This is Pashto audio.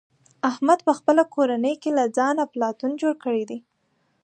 احمد په خپله کورنۍ کې له ځانه افلاطون جوړ کړی دی.